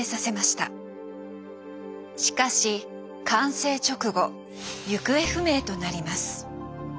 しかし完成直後行方不明となります。